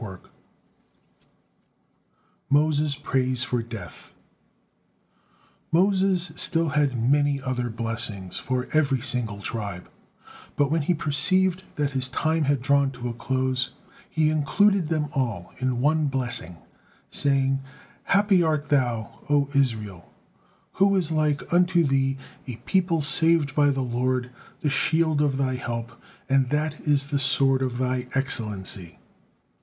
MOSES PRAYS FOR DEATH Moses still had many other blessings for every single tribe, but when he perceived that his time had drawn to a close, he included them all in one blessing, saying, "Happy art thou, O Israel: Who is like unto thee, a people saved by the Lord, the shield of thy help, and that is the sword of thy excellency!"